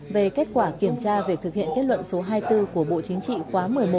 về kết quả kiểm tra việc thực hiện kết luận số hai mươi bốn của bộ chính trị khóa một mươi một